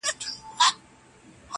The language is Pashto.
چي مېږي ته خدای په قار سي وزر ورکړي،